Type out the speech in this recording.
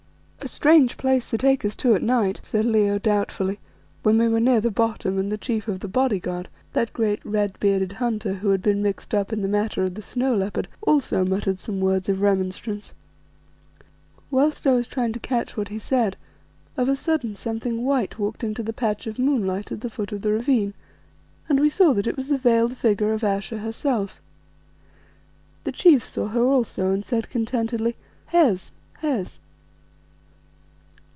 "A strange place to take us to at night," said Leo doubtfully, when we were near the bottom and the chief of the bodyguard, that great red bearded hunter who had been mixed up in the matter of the snow leopard also muttered some words of remonstrance. Whilst I was trying to catch what he said, of a sudden something white walked into the patch of moonlight at the foot of the ravine, and we saw that it was the veiled figure of Ayesha herself. The chief saw her also and said contentedly "Hes! Hes!"